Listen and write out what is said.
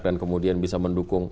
dan kemudian bisa mendukung